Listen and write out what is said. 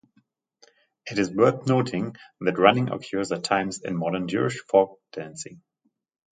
It is worth noting that running occurs at times in modern Jewish folk dancing.